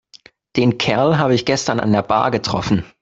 Den Kerl habe ich gestern an der Bar getroffen.